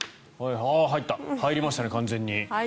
入った入りましたね、完全に。